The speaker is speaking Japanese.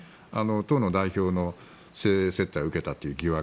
党の代表の性接待を受けたという疑惑。